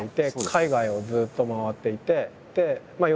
海外をずっと回っていて。